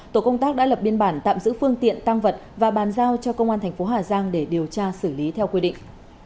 tổ công tác đã lập biên bản tạm giữ phương tiện tăng vật và bàn giao cho công an thành phố hà giang để điều tra xử lý theo quy định